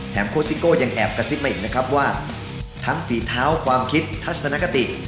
โค้ซิโก้ยังแอบกระซิบมาอีกนะครับว่าทั้งฝีเท้าความคิดทัศนคติ